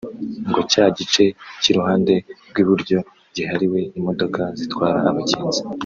ngo cya gice cy’iruhande rw’iburyo giharirwe imodoka zitwara abagenzi